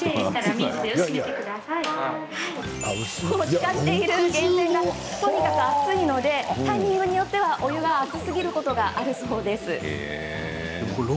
使っている源泉がとにかく熱いのでタイミングによってはお湯が熱すぎることがあるんです。